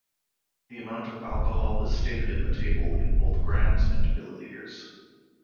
The amount of alcohol is stated in the table in both grams and millilitres.